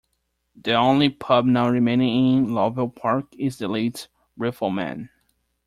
The only pub now remaining in Lovell Park is The Leeds Rifleman.